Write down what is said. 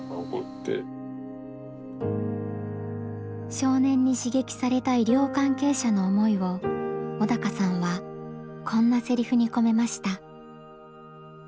少年に刺激された医療関係者の思いを小鷹さんはこんなセリフに込めました。